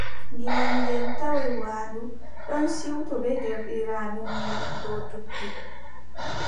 Gilaŋeeru tawoy waandu ɗon siwto bee deerɗiraaɓe muuɗum dow duɓɓi.